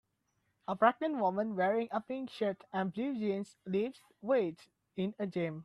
A pregnant woman wearing a pink shirt and blue jeans lifts weights in a gym.